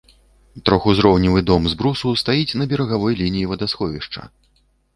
Трохузроўневы дом з брусу стаіць на берагавой лініі вадасховішча.